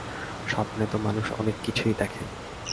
স্বপ্নে তো মানুষ অনেক কিছুই দেখে।